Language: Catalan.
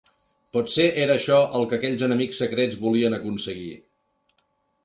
Pot ser era això el que aquells enemics secrets volien aconseguir.